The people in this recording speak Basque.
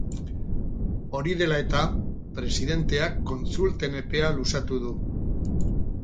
Hori dela eta, presidenteak kontsulten epea luzatu du.